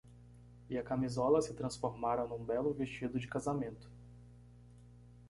E a camisola se transformara num belo vestido de casamento.